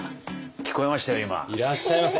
聞こえました？